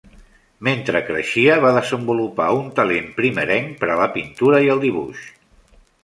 Mentre creixia, va desenvolupar un talent primerenc per a la pintura i el dibuix.